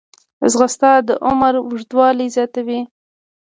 ځغاسته د عمر اوږدوالی زیاتوي